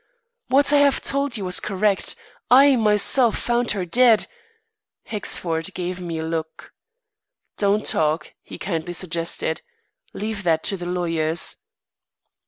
"What I have told you was correct. I, myself, found her dead " Hexford gave me a look. "Don't talk," he kindly suggested. "Leave that to the lawyers."